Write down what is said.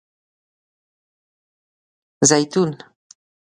🫒 زیتون